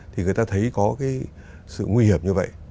thì người ta thấy có cái sự nguy hiểm như vậy